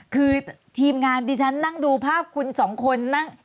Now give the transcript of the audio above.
คือทีมงานที่ฉันนั่งดูภาพคุณสองคนนั่งออกไปแล้วค่ะ